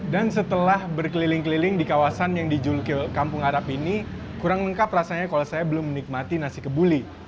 dan setelah berkeliling keliling di kawasan yang dijuluk kampung arab ini kurang lengkap rasanya kalau saya belum menikmati nasi kebuli